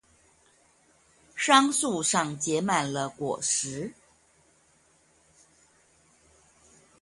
桑樹上結滿了果實